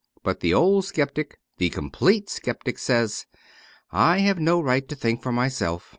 But the old sceptic, the complete sceptic, says, * I have no right to think for myself.